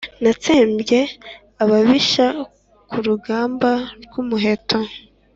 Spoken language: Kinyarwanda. natsembye ababisha ku rugamba rw'umuheto.